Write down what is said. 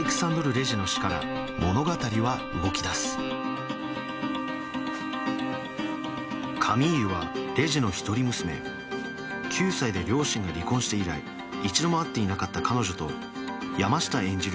山下が演じるから物語は動き出すカミーユはレジェの一人娘９歳で両親が離婚して以来一度も会っていなかった彼女と山下演じる